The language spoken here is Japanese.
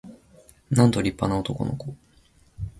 なんと立派な男の子